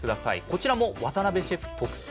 こちらも渡邊シェフ特製